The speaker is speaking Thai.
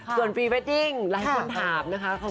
ส่วนพรีเวดดิ้งหลายคนถามนะคะ